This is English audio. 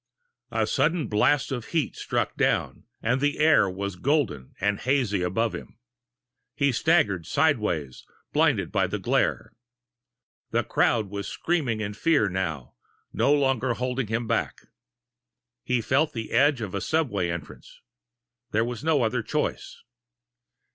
A sudden blast of heat struck down, and the air was golden and hazy above him. He staggered sideways, blinded by the glare. The crowd was screaming in fear now, no longer holding him back. He felt the edge of a subway entrance. There was no other choice.